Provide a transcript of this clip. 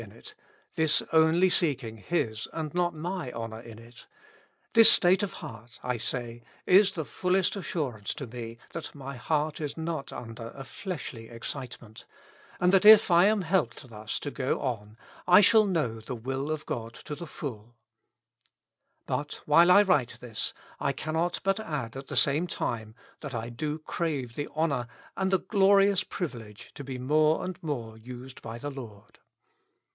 In it, this only seeking His and not my honor in it ; this state of heart I say, is the fullest assurance to me that my heart is not under a fleshly excitement, and that if I am helped thus to go on, / shall know the will of God to the full But, while I write this, I cannot but add at the same time, that I do crave the honor and the glorious privilege to be more and more used by the I,ord.